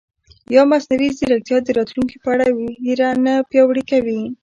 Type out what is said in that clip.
ایا مصنوعي ځیرکتیا د راتلونکي په اړه وېره نه پیاوړې کوي؟